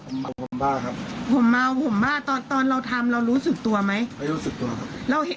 ผมเมาผมบ้าครับผมเมาผมบ้าตอนตอนเราทำเรารู้สึกตัวไหมไม่รู้สึกตัวครับเราเห็น